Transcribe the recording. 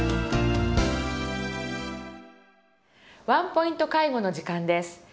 「ワンポイント介護」の時間です。